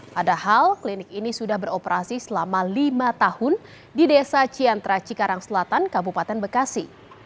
padahal klinik ini sudah beroperasi selama lima tahun di desa ciantra cikarang selatan kabupaten bekasi